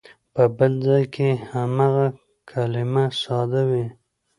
په بل ځای کې هماغه کلمه ساده وي.